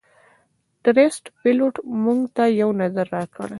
ټرسټ پیلوټ - موږ ته یو نظر راکړئ